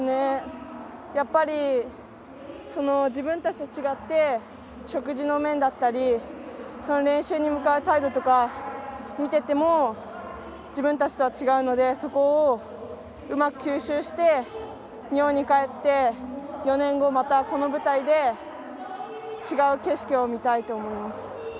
やっぱり自分たちと違って食事の面だったり練習に向かう態度とかを見てても自分たちとは違うのでそこをうまく吸収して日本に帰って４年後またこの舞台で違う景色を見たいと思います。